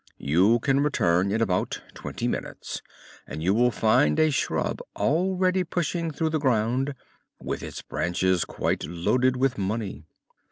You can return in about twenty minutes and you will find a shrub already pushing through the ground, with its branches quite loaded with money."